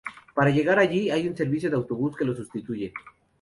Para llegar allí, hay un servicio de autobús que lo sustituye.